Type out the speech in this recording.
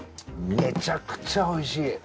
めちゃくちゃおいしい。